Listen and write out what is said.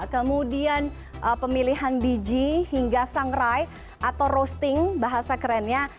kemudian pemilihan biji hingga sangrai atau roasting bahasa kerennya